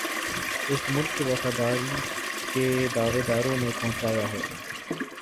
اس ملک کے وفاداری کے دعوے داروں نے پہنچایا ہے